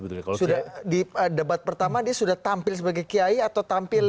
sudah di debat pertama dia sudah tampil sebagai kiai atau tampil